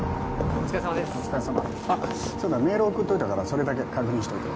お疲れさまあっそうだメール送っといたからそれだけ確認しといて・